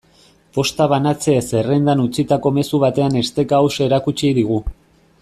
Posta banatze-zerrendan utzitako mezu batean esteka hauxe erakutsi digu.